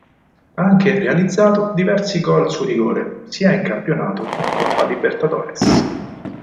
Ha anche realizzato diversi gol su rigore, sia in campionato che in Coppa Libertadores.